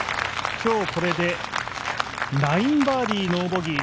今日これで、９バーディーノーボギー。